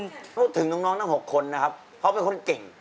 ผมพูดถึงน้องทั้ง๖คนนะครับเขาเป็นคนเก่ง